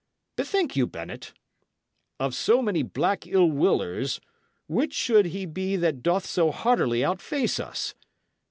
Bethink you, Bennet. Of so many black ill willers, which should he be that doth so hardily outface us?